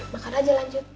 makan aja lanjut